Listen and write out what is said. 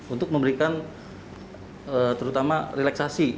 untuk memberikan terutama relaksasi